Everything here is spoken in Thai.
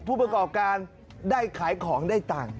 ผู้ประกอบการได้ขายของได้ตังค์